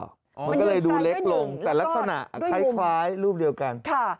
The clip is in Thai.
มันก็เลยดูเล็กลงแต่ลักษณะคล้ายรูปเดียวกัน